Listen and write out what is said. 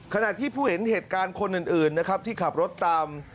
ขณะที่ผู้เห็นเหตุการณ์คนอื่นนะครับที่ขับรถตาม